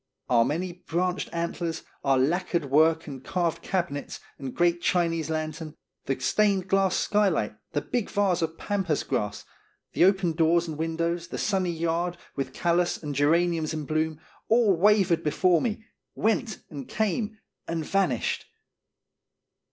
Our many branched antlers, our lacquered work and carved cabinets and great Chinese lantern, the stained glass skylight, the big vase of pampas grass, the open doors and windows, the sunny yard, with callas and geraniums in bloom, all wavered before me, went and came and vanished.